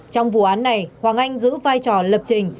trong vụ án này hoàng anh giữ vai trò lập trình